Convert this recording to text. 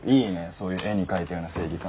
そういう絵に描いたような正義感。